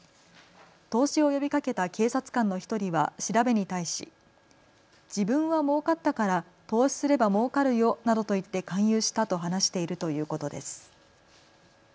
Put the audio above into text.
投資を呼びかけた警察官の１人は調べに対し、自分はもうかったから投資すればもうかるよなどと言って勧誘したと話しているということです。